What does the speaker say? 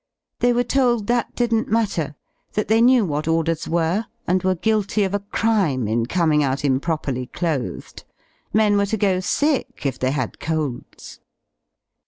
The^y were told that didn't matter, that they knew what orders were and were guilty of a crime in coming out improperly clothed. Men were to go sick if they had colds.